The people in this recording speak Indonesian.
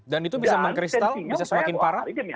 dan itu bisa mengkristal bisa semakin parah